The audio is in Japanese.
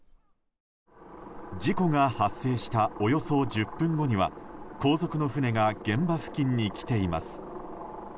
事故が発生したおよそ１０分後には後続の船が現場付近に来ています。